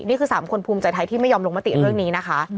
นี่คือ๓คนภูมิใจไทยที่ไม่ยอมลงมติเรื่องนี้นะคะ